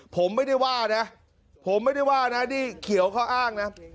ผมไม่ได้ว่านะผมไม่ได้ว่านะนี่เขียวเขาอ้างนะ